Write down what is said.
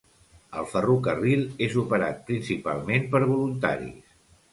El ferrocarril és operat principalment per voluntaris.